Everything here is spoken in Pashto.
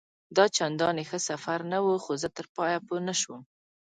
دا چنداني ښه سفر نه وو، خو زه تر پایه پوه نه شوم.